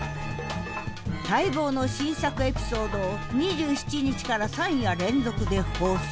待望の新作エピソードを２７日から３夜連続で放送。